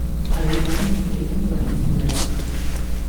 系噉意畀封利市你